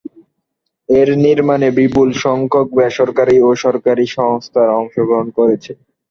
এর নির্মাণে বিপুল সংখ্যক বেসরকারি ও সরকারি সংস্থা অংশগ্রহণ করেছে।